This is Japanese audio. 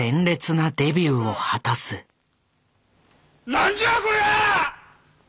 何じゃこりゃあ！